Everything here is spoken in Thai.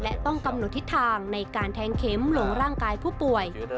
และต้องกำหนดทิศทางในการแทงเข็มหลงร่างกายผู้ป่วย